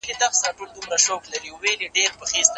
په سياستپوهنه کې د رشتې د علمي اصولو په اړه څېړنه کېده.